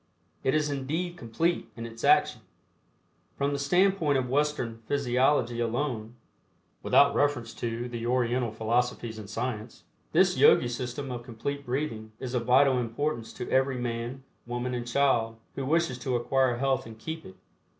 It is indeed "complete" in its action. From the standpoint of Western physiology alone, without reference to the Oriental philosophies and science, this Yogi system of Complete Breathing is of vital importance to every man, woman and child who wishes to acquire health and keep it.